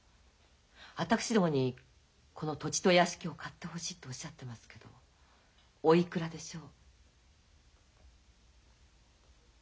私どもにこの土地と屋敷を買ってほしいとおっしゃってますけどおいくらでしょう？